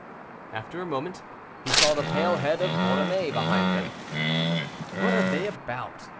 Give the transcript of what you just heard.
After a moment, he saw the pale head of Borromée behind them. "What are they about?"